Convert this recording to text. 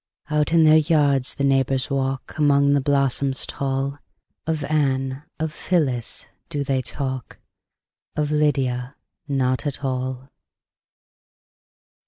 Out in their yards the neighbors walk, Among the blossoms tall; Of Anne, of Phyllis, do they talk, Of Lydia not at all.